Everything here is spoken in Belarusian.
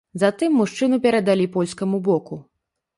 Затым мужчыну перадалі польскаму боку.